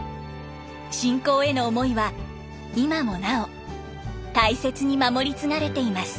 信仰への思いは今もなお大切に守り継がれています。